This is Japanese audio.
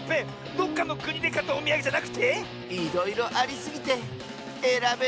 どっかのくにでかったおみやげじゃなくて⁉いろいろありすぎてえらべなかったのさ！